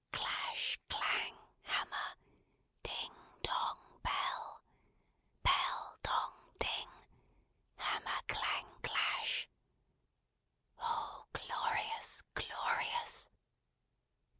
Clash, clang, hammer; ding, dong, bell. Bell, dong, ding; hammer, clang, clash! Oh, glorious, glorious!